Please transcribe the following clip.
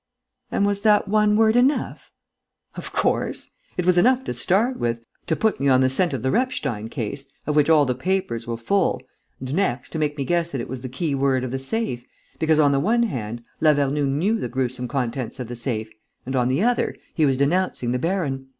"And was that one word enough?" "Of course! It was enough to start with, to put me on the scent of the Repstein case, of which all the papers were full, and, next, to make me guess that it was the key word of the safe, because, on the one hand, Lavernoux knew the gruesome contents of the safe and, on the other, he was denouncing the baron.